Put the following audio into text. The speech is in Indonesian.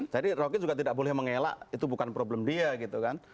jadi rocky juga tidak boleh mengelak itu bukan problem dia gitu kan